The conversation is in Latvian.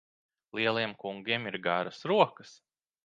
Lieliem kungiem ir garas rokas.